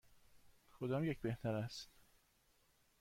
کدام یک بهتر است؟